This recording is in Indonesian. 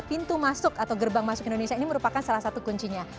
pintu masuk atau gerbang masuk indonesia ini merupakan salah satu kuncinya